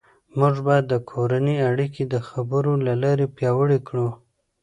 موږ باید د کورنۍ اړیکې د خبرو له لارې پیاوړې کړو